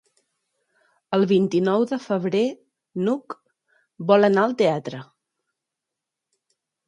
El vint-i-nou de febrer n'Hug vol anar al teatre.